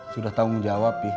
sudah tanggung jawab pi